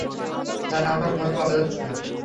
Sir, আমার phone পাওয়া যাচ্ছে না।